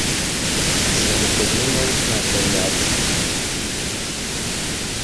Зэрыбынунэу хадэр япщӏэ.